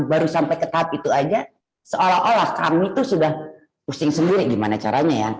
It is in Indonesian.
baru sampai ke tahap itu aja seolah olah kami tuh sudah pusing sendiri gimana caranya ya